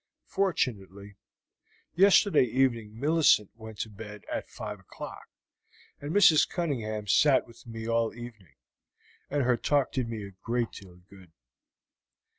Fortunately, yesterday evening Millicent went to bed at five o'clock, and Mrs. Cunningham sat with me all the evening, and her talk did me a great deal of good."